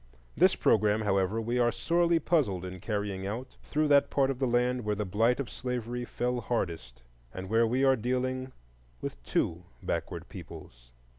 This programme, however, we are sorely puzzled in carrying out through that part of the land where the blight of slavery fell hardest, and where we are dealing with two backward peoples.